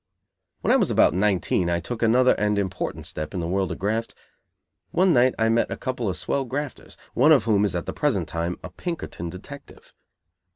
'" When I was about nineteen I took another and important step in the world of graft. One night I met a couple of swell grafters, one of whom is at the present time a Pinkerton detective.